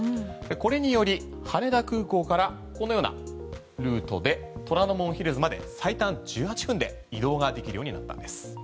これにより羽田空港からこのようなルートで虎ノ門ヒルズまで最短１８分で移動ができるようになったんです。